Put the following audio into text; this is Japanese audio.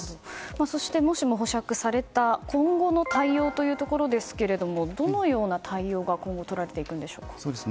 そして、もしも保釈された今後の対応というところですがどのような対応が今後取られていくんでしょうか。